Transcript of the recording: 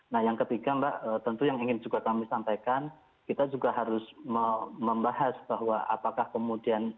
nah yang ketiga mbak tentu yang ingin juga kami sampaikan kita juga harus membahas bahwa apakah kemudian